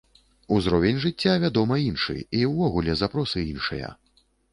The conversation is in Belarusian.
Узровень жыцця, вядома, іншы, і ўвогуле запросы іншыя.